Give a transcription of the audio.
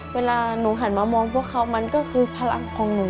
เวลาหนูหันมามองพวกเขามันก็คือพลังของหนู